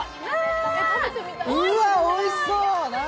うわーおいしそう。